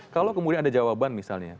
kalau kemudian ada jawaban misalnya